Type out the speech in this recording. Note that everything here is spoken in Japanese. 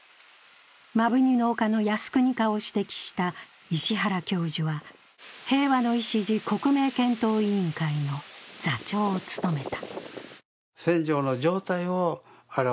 摩文仁の丘の靖国化を指摘した石原教授は平和の礎刻銘検討委員会の座長を務めた。